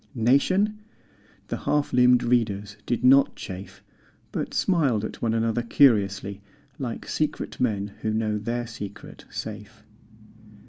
Nation? The half limbed readers did not chafe But smiled at one another curiously Like secret men who know their secret safe.